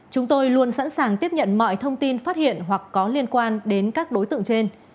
chúng tôi luôn sẵn sàng tiếp nhận mọi thông tin phát hiện hoặc có liên quan đến các đối tượng trên